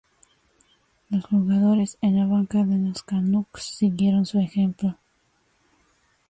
Los jugadores en la banca de los Canucks siguieron su ejemplo.